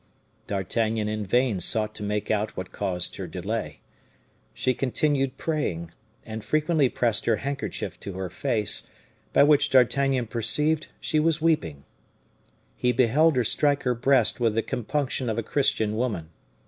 D'Artagnan in vain sought to make out what caused her delay. She continued praying, and frequently pressed her handkerchief to her face, by which D'Artagnan perceived she was weeping. He beheld her strike her breast with the compunction of a Christian woman.